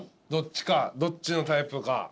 どっちかどっちのタイプか。